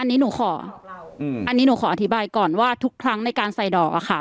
อันนี้หนูขออันนี้หนูขออธิบายก่อนว่าทุกครั้งในการใส่ดอกอะค่ะ